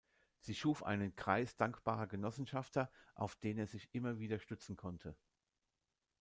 Sie schuf einen Kreis dankbarer Genossenschafter, auf den er sich immer wieder stützen konnte.